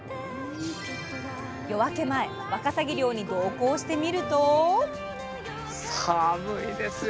夜明け前わかさぎ漁に同行してみると。